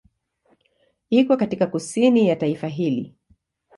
Iko katika kusini ya taifa hili.